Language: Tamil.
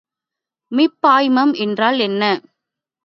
மீப்பாய்மம் என்றால் என்ன?